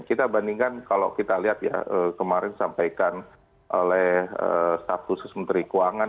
kita bandingkan kalau kita lihat ya kemarin sampaikan oleh staf khusus menteri keuangan